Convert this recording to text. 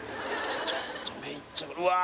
ちょっと麺いっちゃおううわ